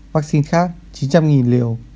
vaccine khác chín trăm linh liều